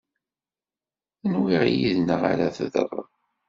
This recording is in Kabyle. Nwiɣ yid-neɣ ara teddreḍ.